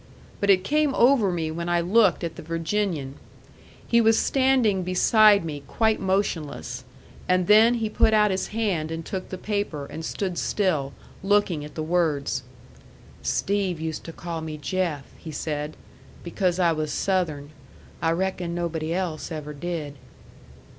But it came over me when I looked at the Virginian. He was standing beside me quite motionless; and then he put out his hand and took the paper, and stood still, looking at the words. "Steve used to call me Jeff," he said, "because I was Southern. I reckon nobody else ever did."